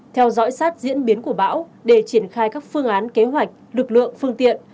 theo dõi sát diễn biến của bão để triển khai các phương án kế hoạch lực lượng phương tiện